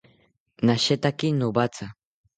Nashetaki nomatha